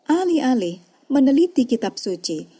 alih alih meneliti kitab suci